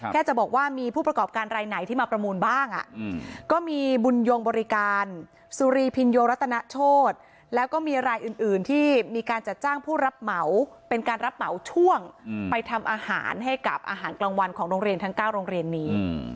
จะบอกว่ามีผู้ประกอบการรายไหนที่มาประมูลบ้างก็มีบุญยงบริการสุรีพิญโยรัตนโชธแล้วก็มีรายอื่นที่มีการจัดจ้างผู้รับเหมาเป็นการรับเหมาช่วงไปทำอาหารให้กับอาหารกลางวันของโรงเรียนทั้ง๙โรงเรียนนี้